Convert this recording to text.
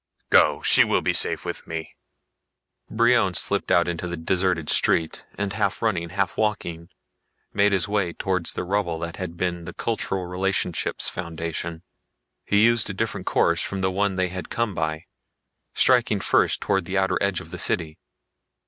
Go. She will be safe with me." Brion slipped out into the deserted street and, half running, half walking, made his way towards the rubble that had been the Cultural Relationships Foundation. He used a different course from the one they had come by, striking first towards the outer edge of the city.